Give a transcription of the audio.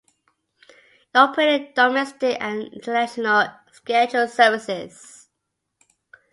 It operated domestic and international scheduled services.